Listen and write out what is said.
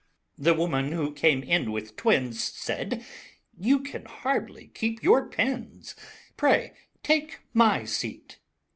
IV The Woman Who Came in with Twins Said, "You can hardly keep your pins; Pray, take my seat."